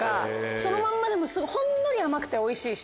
そのまんまでもほんのり甘くておいしいし。